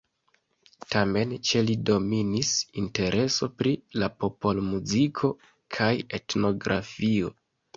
Tamen ĉe li dominis intereso pri la popolmuziko kaj etnografio.